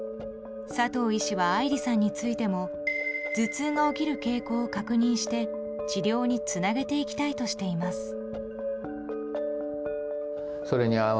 佐藤医師は愛莉さんについても頭痛が起きる傾向を確認して治療につなげていきたいとしています。